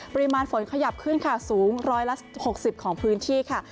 ปริมาณฝนขยับขึ้นค่ะสูงร้อยละ๖๐ของพื้นที่ค่ะ